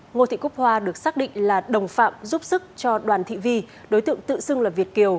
ngô thị cúc hoa được xác định là đồng phạm giúp sức cho đoàn thị vi đối tượng tự xưng là việt kiều